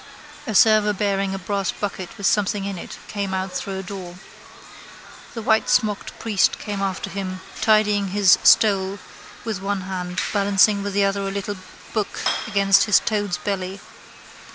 A server bearing a brass bucket with something in it came out through a door. The whitesmocked priest came after him, tidying his stole with one hand, balancing with the other a little book against his toad's belly.